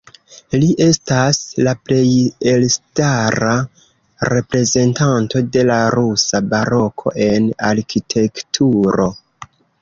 Li estas la plej elstara reprezentanto de la rusa baroko en arkitekturo.